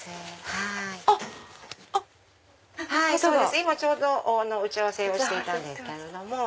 今ちょうど打ち合わせをしていたんです。